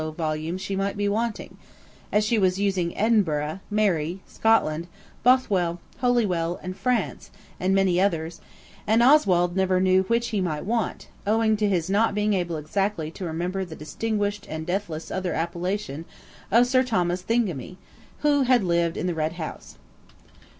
volume she might be wanting, as she was using Edinburgh, Mary, Scotland, Bothwell, Holywell, and France, and many others, and Oswald never knew which he might want, owing to his not being able exactly to remember the distinguished and deathless other appellation of Sir Thomas Thingummy, who had lived in the Red House.